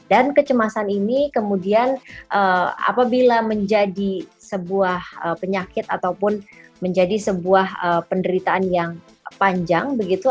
dan kecemasan ini kemudian apabila menjadi sebuah penyakit ataupun menjadi sebuah penderitaan yang panjang begitu